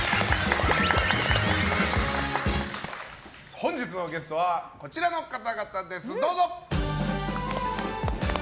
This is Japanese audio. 本日のゲストはこちらの方々です！